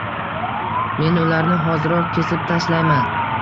Men ularni hoziroq kesib tashlayman.